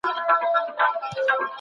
د هغه مینه له کار سره هېڅکله کمه نه سوه.